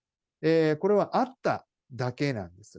これはあっただけなんですよ。